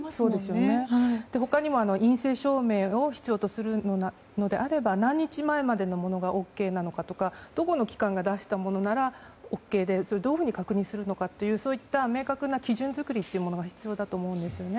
他にも、陰性証明を必要とするのであれば何日前までのものがＯＫなのかとかどこの機関が出したものならＯＫでどういうふうに確認するのかという明確な基準作りが必要だと思うんですよね。